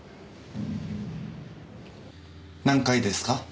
何階ですか？